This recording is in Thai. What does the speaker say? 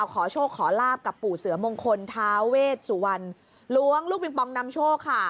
ขอโชคขอลาบกับปู่เสือมงคลท้าเวชสุวรรณล้วงลูกปิงปองนำโชคค่ะ